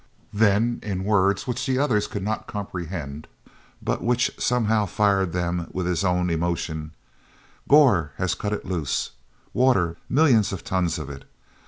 hen, in words which the others could not comprehend but which somehow fired them with his own emotion: "Gor has cut it loose! Water, millions of tons of it!